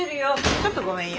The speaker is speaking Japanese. ちょっとごめんよ。